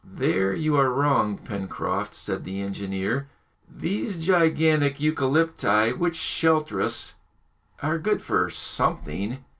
"There you are wrong, Pencroft," said the engineer; "these gigantic eucalypti, which shelter us, are good for something."